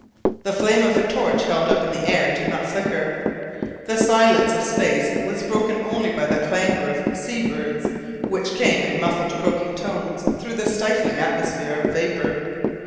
The flame of a torch held up in the air did not flicker. The silence of space was broken only by the clangour of the sea birds, which came in muffled croaking tones through the stifling atmosphere of vapour.